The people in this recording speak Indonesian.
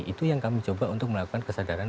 itu yang kami coba untuk melakukan kesadaran